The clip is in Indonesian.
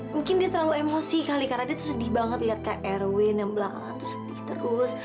mungkin dia terlalu emosi kali karena dia sedih banget lihat kak erwin yang belakangan itu sedih terus